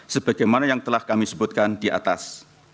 sebagaimana yang telah kami sebutkan di atas